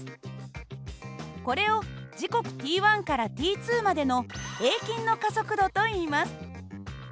これを時刻ｔからｔまでの平均の加速度といいます。